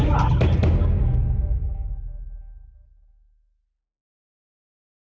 สวัสดีครับวันอื่นเดียวยาว